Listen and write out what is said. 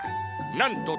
なんと！